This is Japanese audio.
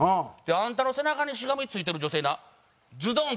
「あんたの背中にしがみついてる女性なズドーン！